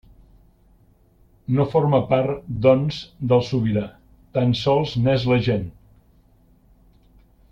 No forma part, doncs, del sobirà; tan sols n'és l'agent.